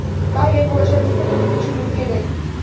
বাহিরে কুয়াশার মধ্যে কোনো কিছুই লুকিয়ে নেই!